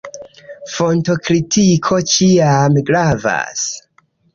Fontokritiko ĉiam gravas.